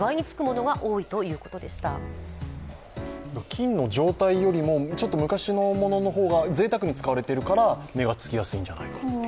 金の状態よりも、ちょっと昔のものの方がぜいたくに使われているから値がつきやすいんじゃないかと。